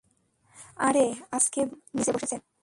আরে, আজকে বেগম, নিচে বসেছে।